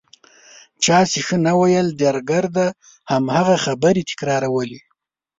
چا چې ښه نه ویل درګرده هماغه خبرې تکرارولې.